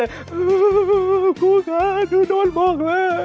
อื้อคุณค่ะดูโดนบอกเลย